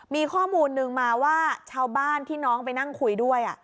มีข้อมูลนึงมาว่าชาวบ้านที่น้องไปนั่งคุยด้วย